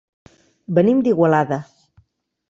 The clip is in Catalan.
Venim d'Igualada.